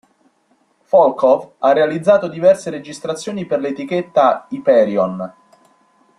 Volkov ha realizzato diverse registrazioni per l'etichetta Hyperion.